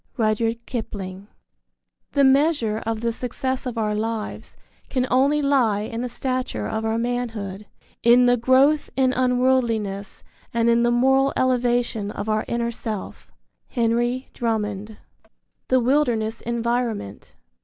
Rudyard Kipling. The measure of the success of our lives can only lie in the stature of our manhood, in the growth in unworldliness and in the moral elevation of our inner self. Henry Drummond. I. THE WILDERNESS ENVIRONMENT.